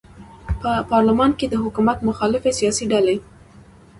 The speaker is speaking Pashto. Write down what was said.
په پارلمان کې د حکومت مخالفې سیاسي ډلې